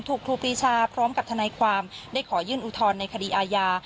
ครูปรีชาพร้อมกับทนายความได้ขอยื่นอุทธรณ์ในคดีอาญา